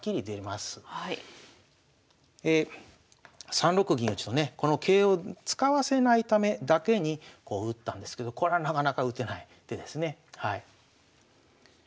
３六銀打とねこの桂を使わせないためだけに打ったんですけどこれはなかなか打てない手ですね。